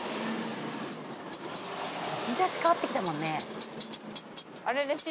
日差し変わってきたもんね。